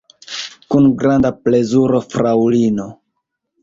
Kun granda plezuro, fraŭlino!